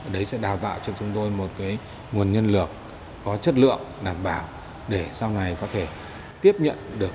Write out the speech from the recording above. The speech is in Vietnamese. đấy sẽ đào tạo cho chúng tôi một nguồn nhân lực có chất lượng đảm bảo để sau này có thể tiếp nhận được